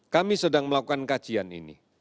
kami sedang melakukan kajian ini